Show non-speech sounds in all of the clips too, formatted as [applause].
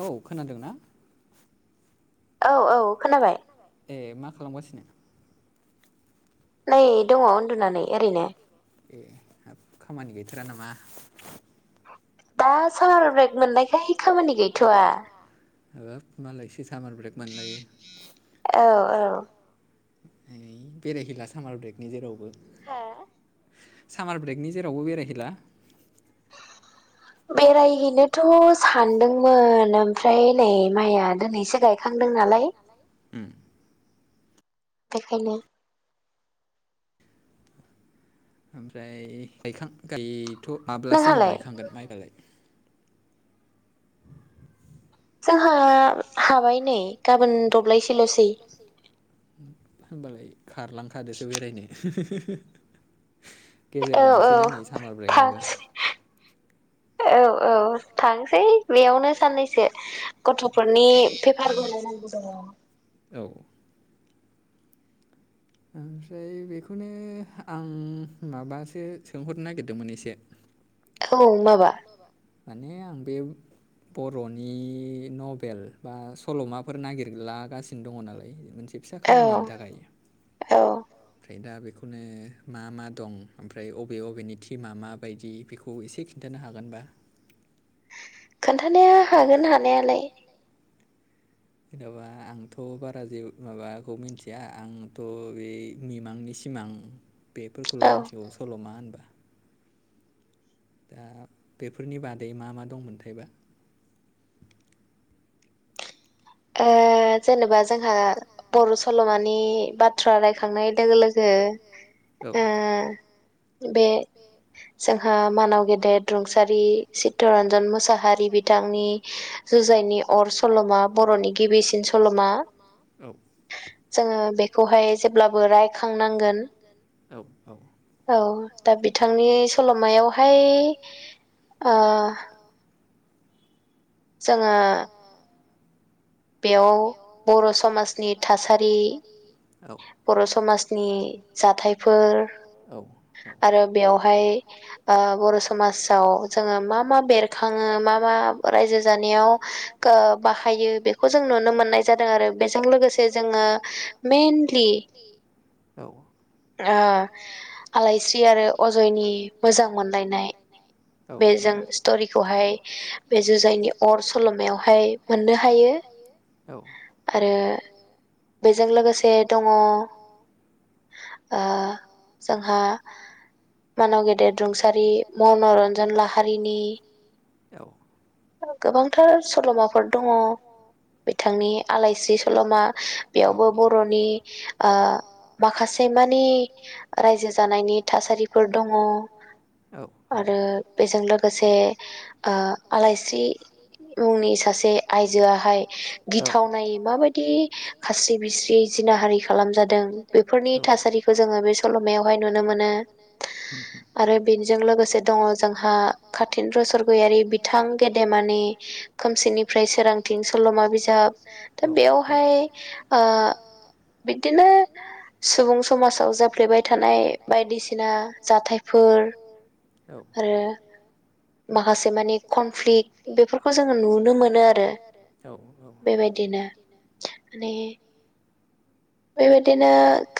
औ खोनादोंना? औ औ खोनाबाय। ए मा खालामगासिनो? नै दङ उन्दुनानै ओरैनो। ए हाब खामानि गैथारा नामा? दा सालार ब्रेक मोननायखाय खामानि गैथ'या। होब मालायसो सामार ब्रेक मोनलायो। औ औ बेरायहैला सामार ब्रेकनि जेरावबो? हा सामार ब्रेकनि जेरावबो बेरायहैला? बेरायहैनोथ' सानदोंमोन ओमफ्राय नै माइया दिनैसो गायखांदों नालाय उम बेखायनो। ओमफ्राय गायखां गायथ' माब्लासिमाव गायखांगोन माइयालाय जोंहा हाबाय नै गाबोन दब्लायसेैल'सै। होमबालाय खारलांखादोसो बेरायनो। गेजेर नांसै ना नै सामार ब्रेकआबो। औ औ थांसै बेयावनो साननैसो। गथ'फोरनि पेपारबो नायनांगौ दङ। औ ओमफ्राय बेखौनो आं माबासो सोंहरनो नागिरदोंमोन एसे। औ माबा? माने आं बे बर'नि नभेल बा सल'माफोर नागिरलागासिनो दङ नालाय मोनसे फिसा खामानिनि थाखाय औ ओमफ्राय दा बेखौनो मा मा दं ओमफ्राय बबे बबेनि टिमा मा बायदि बेखौ खौ एसे खिन्थानो हागोनबा। खोन्थानाया हागोन हानायालाय। जेन'बा आंथ' बारा जे माबाखौ मिथिया आंथ' बे मिमांनि सि सिमां बेफोरखौल' मिथिगौ सल'मा होनबा। दा बेफोरनि बादै मा मा दंमोनथायबा? ओ जेनेबा जोंहा बर' सल'मानि बाथ्रा रायखांनाय लोगो लोगो ओ बे जोंहा मानाव गेदेर रुंसारि चित्तरन्जन मुसाहारि बिथांनि जुजाइनि अर सल'मा ब बर'नि गिबिसिन सल'मा औ जोङो बेखौहाय जेब्लाबो रायखांनांगोन। औ औ औ दा बिथांनि सल'मायावहाय ओ जोङो बेयाव बर' समाजनि थासारि बर' समाजनि जाथायफोर आरो बेवहाय ओ बर' समाजाव जोङो मा मा बेरखाङो मा मा रायजो जानायाव बाहायो बेखौ जों जों नुनो मोननाय जादों आरो बेजों लोगोसे जोङो मेनलि औ आलायस्रि आरो अजयनि मोजां मोनलायनाय बेजों स्टरिखौहाय बे जुजाइनि अर सल'मायावहाय मोननो हायो औ आरो बेजों लोगोसे दङ ओ जोंहा मानाव गेदेर रुंसारि मनरन्जन लाहारिनि औ गोबांथार सल'माफोर दङ बिथांनि आलायस्रि सल'मा बेयावबो बर'नि माखासे मानि रायजो जानायनि थासारिफोर दङ आरो बेजों लोगोसे आलायस्रि मुंनि सासे आइजोआहाय थावनायै माबायदि खास्रि बिस्रि जिनाहारि खालामजादों बेफोरनि थासारि बेखौ जोङो बे सल'मायावहाय नुनो मोनो आरो बेनिजों लोगोसे दङ जोंहा कातिन्द्र सरगियारि बिथां गेदेमानि खोमसिनिफ्राय सोरांथिं सल'मा सल'मा बिजाब बेयावहाय बिदिनो सुबुं समाजाव जाफ्लेबाय थानाय बायदिसिना जाथायफोर आरो माखासे मानि कनफ्लिक बेफोरखौ जोङो नुनो मोनो आरो बेबायदिनो माने बेबायदिनो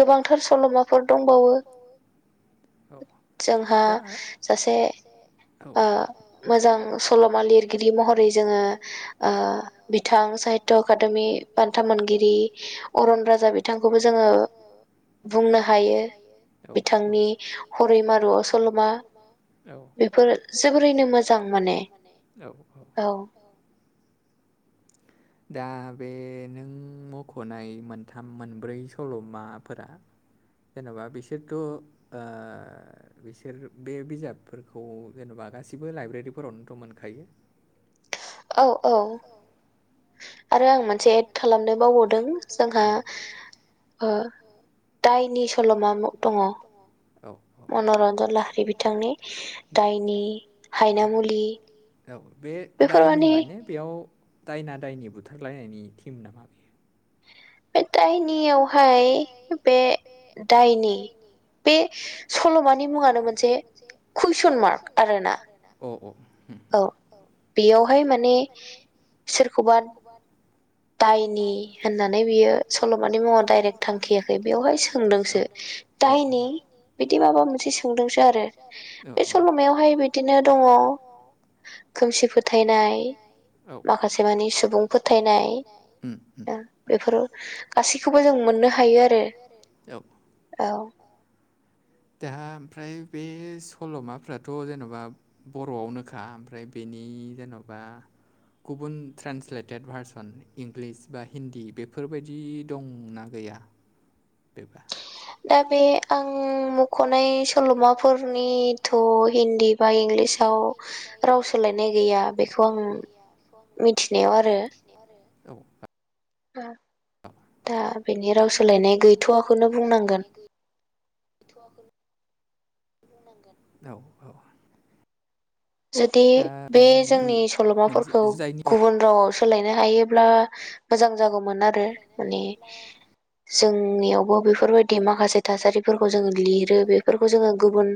गोबांथार सल'माफोर दंबावो जोंहा सासे मोजां सल'मा लिरगिरि महरै जोङो बिथां साहित्य एकादेमि बान्था मोनगिरि अरन राजा बिथांखौबो बिथांखौबो जोङो बुंनो हायो औ बिथांनि हरैमारुआ सलमा औ बेफोर जोबोरैनो मोजां मोनाने औ औ दा बे नों मखनाय मोनथाम मोनब्रै सलमाफोरा जेनबा बिसोरथ बिसोर बे बिजाबफोरखौ जेनेबा गासिबो लाइब्रेरिफोरावनोथ' मोनखायो औ औ आरो आं मोनसे एड खालामनो बावबावदों जोंहा दायनि सल'मा म दङ मनरन्जन लाहारि बिथांनि दायनि हायनामुलि औ बे दायनि माने बेयाव दायना दायनि बुथारलायनायनि थिम नामा बे बे दायनियावहाय बे दायनि बे सल'मानि मुङानो मोनसे कुइसन मार्क आरो ना औ औ औ बेयावहाय माने सोरखौबा दायनि होननानै बियो सल'मानि मुङा डाइरेक्ट थांखियाखै बेयावहाय सोंदोंसो दायनि बिदि माबा मोनसे सोंदोंसो आरो बे सल'मायावहाय बिदिनो दङ खोमसि फोथायनाय माखासे मानि सुबुं फोथायनाय उ बेफोराव गासैखौबो जों मोननो हायो आरो औ दा ओमफ्राय बे सल'माफ्राथ' जेनबा बर'आवनोखा ओमफ्राय बेनि जेन'बा गुबुन ट्रेन्सलेटेड भारसन इंलिस बा हिन्दी बे बेफोरबायदि दंना गैया बेबा दा बे आं मुंख'नाय सल'माफोरनिथ' हिन्दी बा इंलिसाव राव सोलायनाय गैया बेखौ आं मिथिनायाव आरो औ नोंथां दा बेनि राव सोलायनाय गैथ'वाखौनो बुंनांगोन [unintelligible] औ औ जुदि बे जोंनि सल'माफोरखौ गुबुन रावआव सोलायनो हायोब्ला मोजां जागौमोन आरो माने जोंनियावबो बेफोरबायदि माखासे थासारिफोरखौ जोङो लिरो बेफोरखौ जोङो गुबुन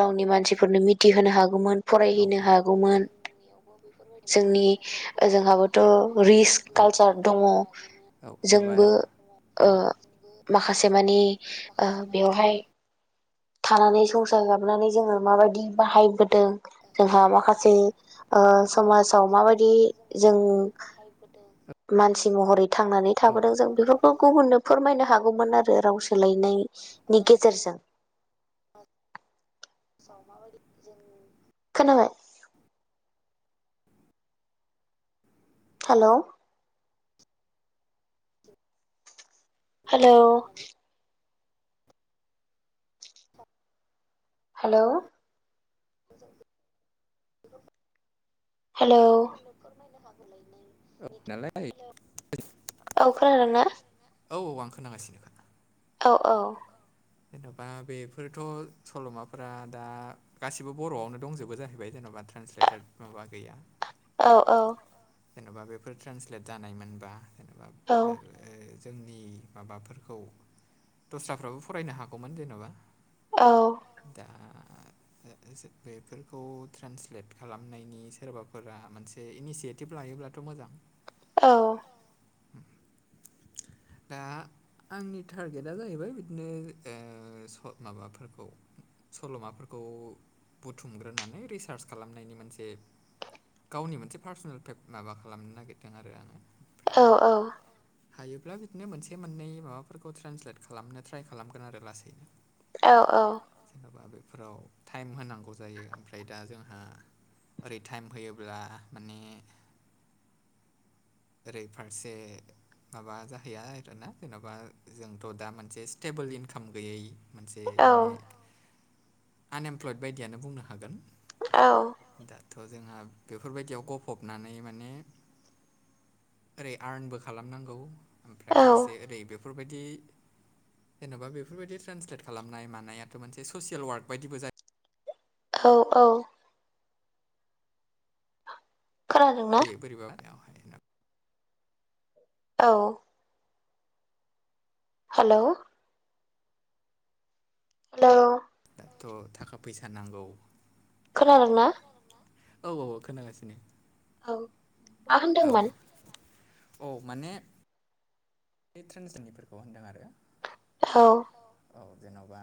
रावनि मानसिफोरनो मिथिहोनो हागौमोन जोंनियावबो बेफोरबायदि माखासे थासारिफोरखौ जोङो लिरो बेफोरखौ जों औ औ जेनेबा औ माखासे मानि थानानै संसार जाबनानै जोङो माबायदि बाहायबोदों जोंहा माखासे समाजाव माबायदि जों बाहायबोदों मानसि महरै थांनानै थाबोदों जों बेफोरखौ गुबुननो फोरमायनो हागौमोन आरो राव सोलायनायनि गेजेरजों समाजाव माबायदि जों खोनाबाय हेल' हेल' हेल' [unintelligible] गुबुननो फोरमायनो हागौलाय नालाय औ खोनादोंना औ आं खोनांगासिनोखा जेन'बा बेफोरथ' सल'माफोरा दा गासिबो बर'आवनो दंजोबो जाहैबाय जेन'बा ट्रेन्सलेटार माबा गैया औ औ जेन'बा बेफोर ट्रेन्सलेट जानायमोनबा जेनेबा जोंनि माबाफोरखौ दस्राफ्राबो फरायनो हागौमोन जेन'बा औ दा बेफोरखौ ट्रेन्सलेट खालामनायनि सोरबाफोरा मोनसे इनिसियेटि ब लायोब्लाथ' मोजां औ दा आंनि टारगेट दा जाहैबाय बिदिनो माबाफोरखौ सल'माफोरखौ बुथुमग्रोनानै रिसार्च खालामनायनि मोनसे गावनि मोनसे पार्सनेल माबा खालामनो नागिरदों आरो आङो औ औ हायोब्ला बिदिनो मोनसे मोननै माबाफोरखौ ट्रेन्सलेट खालामनो ट्राइ खालामगोन आरो लासैनो औ औ जेन'बा बेफोराव टाइम होनांगौ जायो ओमफ्राय दा जोंहा ओरै टाइम होयोब्ला माने ओरै फारसे माबा जाहैया आरोना जेन'बा जों थ दा मोनसे स्टेबोल इनकाम गैयै मोनसे माने आनएमप्लयड बायदियानो बुंनो हागोन औ दाथ' जोंहा बेफोरबायदियाव गफबनानै माने ओरै आर्नबो खालामनांगौ ओमफ्राय फारसे ओरै बेफोरबायदि जेन'बा बेफोरबायदि ट्रान्सलेट खालामनाय मानायाथ' मोनसे ससियेल ववार्क बायदिबो जा औ औ खोनादों ना बोरैबा [unintelligible] औ हेलौ हेलौ दाथ' थाखा फैसा नांगौ खोनादों ना खोनादों ना औ औ औ खोनागासिनो औ औ औ माने बे ट्रेनजनिफोरखौ होनदों आरो औ औ जेन'बा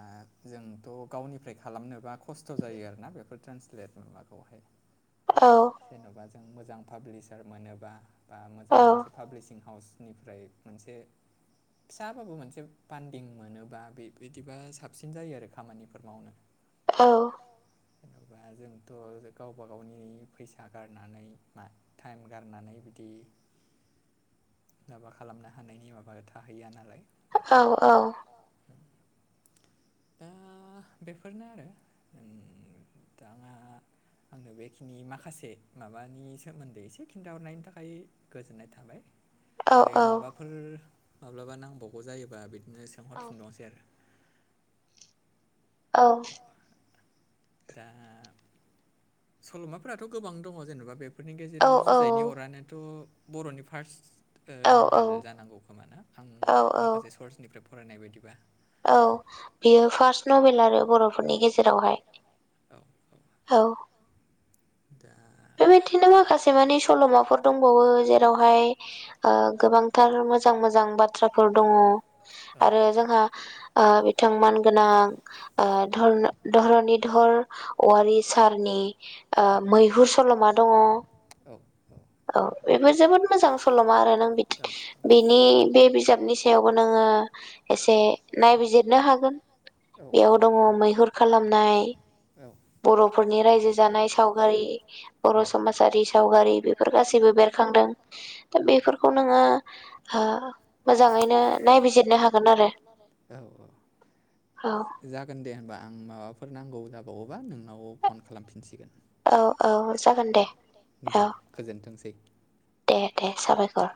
जोंथ' गावनिफ्राय खालामनोबा खस्थ' जायो आरोना बेफोर ट्रेन्सलेट माबाखौहाय औ जेन'बा जों मोजां पाब्लिसार मोनोबा बा मोजां मोनसे पाब्लिसिं हाउसनिफ्राय मोनसे फिसाबाबो मोनसे बान्दिं मोनोबा बे बिदिबा साबसिन जायो आरो खामानिफोर मावनो औ जेन'बा जोंथ' गावबा गावनि फैसा गारनानै मा टाइम गारनानै बिदि माबा खालामनो हानायनि माबा थाहैया नालाय औ औ अ [unintelligible] दा बेफोरनो आरो दाना आंनो बेखिनि माखासे माबानि सोमोन्दै एसे खिन्थाहरनायनि थाखाय गोजोननाय थाबाय आरो माबाफोर माब्लाबा नांबावगौ जायोबा बिदिनो सोंहरफिनबावसै आरो औ दा सल'माफोराथ' गोबां दङ जेन'बा बे फोरनि गेजेराव जुजायनि अरानोथ' बर'नि फार्स्ट नभेल जानांगौ खोमा ना आं माखासे सर्सनिफ्राय फरायनाय बायदिबा औ बियो फार्स्ट नबेल आरो बर'फोरनि गेजेरावहाय औ दा बेबायदिनो माखासे मानि सल'माफोर दंबावो जेरावहाय गोबांथार मोजां मोजां बाथ्राफोर दङ आरो जोंहा बिथां मानगोनां धर धरनिधर औवारि सारनि मैहुर मैहुर सल'मा दङ औ औ औ बेफोर जोबोद मोजां सल'मा आरो [unintelligible] बिनि बे बिजाबनि सायावबो नोङो एसे नायबिजिरनो हागोन बेयाव दङ मैहुर खालामनाय औ बर'फोरनि रायजो जानाय सावगारि बर' समाजारि सावगारि बेफोर गासैबो बेरखांदों दा बेफोरखौ नोङो मोजाङैनो नायबिजिरनो हागोन आरो औ औ जागोन दे होनबा आं माबाफोर नांगौ जाबावोबा नोंनाव फन खालामफिनसिगोन औ औ जागोन दे औ दे दे साबायखर